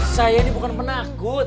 saya ini bukan penakut